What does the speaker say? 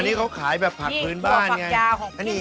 นี่เขาขายแบบผักพื้นบ้านไง